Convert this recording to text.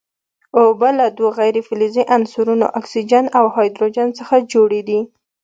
اوبه له دوو غیر فلزي عنصرونو اکسیجن او هایدروجن څخه جوړې دي.